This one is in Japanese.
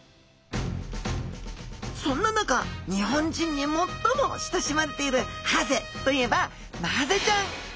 そんな中日本人に最も親しまれているハゼといえばマハゼちゃん。